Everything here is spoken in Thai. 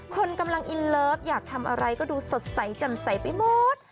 คนกำลังอินเลิฟอยากทำอะไรก็ดูสดใสจำใสไปหมด